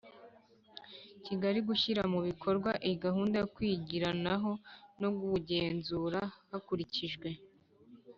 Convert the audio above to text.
Kigali gushyira mu bikorwa iyi gahunda yo kwigiranaho no kugenzurana hakurikijwe